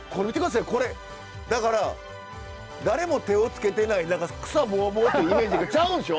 だから誰も手をつけてない何か草ぼうぼうっていうイメージが。ちゃうんでしょ？